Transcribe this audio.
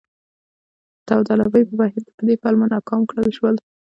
د داوطلبۍ په بهیر کې په دې پلمه ناکام کړل شو.